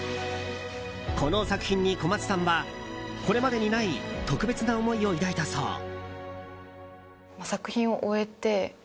この作品に小松さんはこれまでにない特別な思いを抱いたそう。